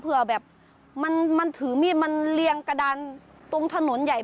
เผื่อแบบมันถือมีดมันเรียงกระดานตรงถนนใหญ่